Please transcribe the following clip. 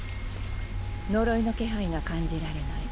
呪いの気配が感じられない。